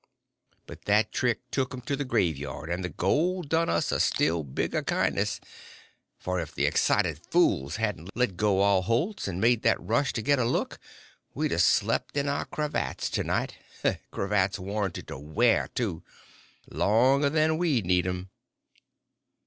But that trick took 'em to the graveyard, and the gold done us a still bigger kindness; for if the excited fools hadn't let go all holts and made that rush to get a look we'd a slept in our cravats to night—cravats warranted to wear, too—longer than we'd need 'em."